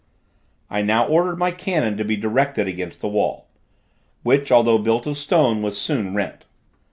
I now ordered my cannon to be directed against the wall, which, although built of stone, was soon rent.